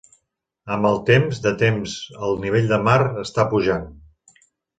Amb el temps de temps el nivell del mar està pujant.